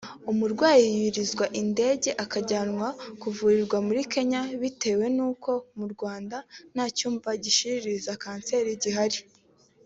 umurwayi yurizwa indege akajya kuvurirwa muri Kenya bitewe n’ uko mu Rwanda nta cyuma gishiririza kanseri gihari